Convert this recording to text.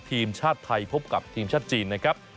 ทีมชาติไทยพบกับทีมชาติจีนนะครับ